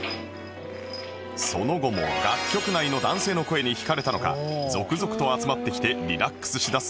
その後も楽曲内の男性の声に引かれたのか続々と集まってきてリラックスしだす猫が続出